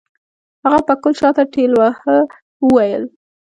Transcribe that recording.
هغه پکول شاته ټېلوهه وويل.